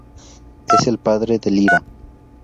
Es el padre de Lyra.